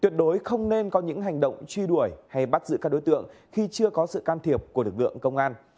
tuyệt đối không nên có những hành động truy đuổi hay bắt giữ các đối tượng khi chưa có sự can thiệp của lực lượng công an